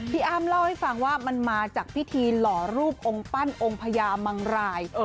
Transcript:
อ้ามเล่าให้ฟังว่ามันมาจากพิธีหล่อรูปองค์ปั้นองค์พญามังราย